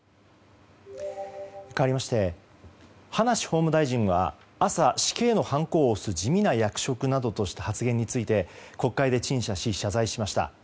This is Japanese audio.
かわりまして葉梨法務大臣は朝、死刑のはんこを押す地味な役職などとした発言について国会で陳謝し謝罪しました。